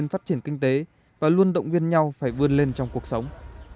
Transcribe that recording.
phát triển kinh tế và luôn động viên nhau phải vươn lên trong cuộc sống